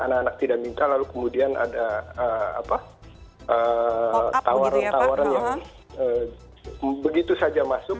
anak anak tidak minta lalu kemudian ada tawaran tawaran yang begitu saja masuk